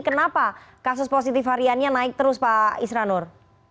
kenapa kasus positif hariannya naik terus pak isra nur